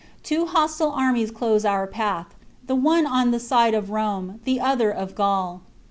Two hostile armies close our path, the one on the side of Rome, the other of Gaul.